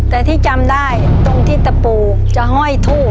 แต่ที่จำได้ตรงที่ตะปูจะห้อยทู่